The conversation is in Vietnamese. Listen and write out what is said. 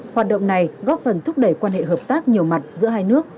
hoạt động này góp phần thúc đẩy quan hệ hợp tác nhiều mặt giữa hai nước